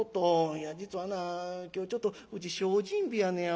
いや実はな今日ちょっとうち精進日やのやわ。